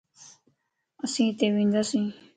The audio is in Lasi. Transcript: اسين اتي ونداسين